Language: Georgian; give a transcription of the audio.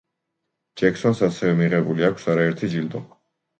ჯექსონს ასევე მიღებული აქვს არაერთი ჯილდო.